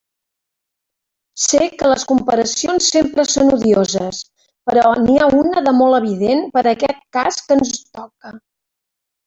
Sé que les comparacions sempre són odioses, però n'hi ha una de molt evident per aquest cas que ens toca.